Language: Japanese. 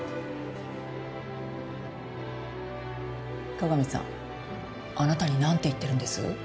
加賀見さんあなたになんて言ってるんです？